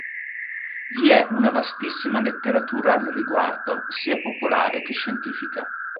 Vi è una vastissima letteratura al riguardo, sia popolare che scientifica.